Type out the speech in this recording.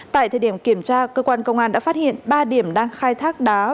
tại thời điểm kiểm tra cơ quan công an đã phát hiện ba điểm đang khai thác đá